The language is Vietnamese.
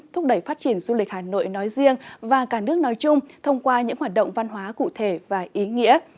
thúc đẩy phát triển du lịch hà nội nói riêng và cả nước nói chung thông qua những hoạt động văn hóa cụ thể và ý nghĩa